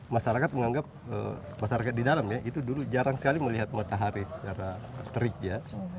masyarakat menganggap masyarakat di dalam ya itu dulu jarang sekali melihat matahari secara terik ya